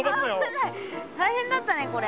大変だったねこれ。